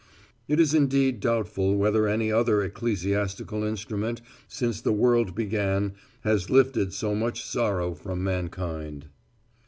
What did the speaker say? It is indeed doubtful whether any other ecclesiastical instrument since the world began has lifted so much sorrow from mankind.